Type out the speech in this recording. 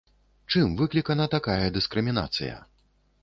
Чым выклікана такая дыскрымінацыя?